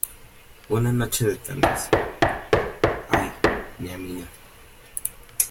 Una noche de tantas... ¡ay! mi amiga.